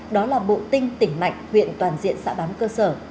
đó là bộ tinh tỉnh mạnh huyện toàn diện xã bám cơ sở